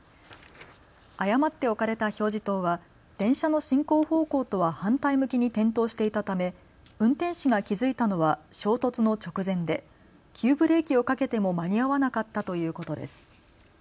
誤って置かれた表示灯は電車の進行方向とは反対向きに点灯していたため運転士が気付いたのは衝突の直前で急ブレーキをかけても間に合わなかったということです。